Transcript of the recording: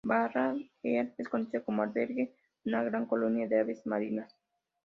Barra Head es conocida por albergar una gran colonia de aves marinas.